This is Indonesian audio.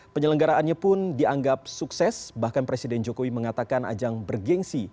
penyelenggaraannya pun dianggap sukses bahkan presiden jokowi mengatakan ajang bergensi